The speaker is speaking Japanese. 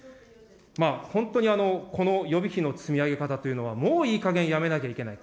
本当にこの予備費の積み上げ方というのは、もういいかげん、やめなきゃいけない。